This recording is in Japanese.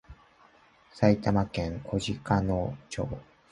埼玉県小鹿野町